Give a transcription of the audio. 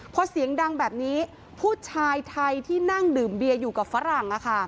พอเสียงดังแบบนี้ผู้ชายไทยที่นั่งดื่มเบียอยู่กับฝรั่ง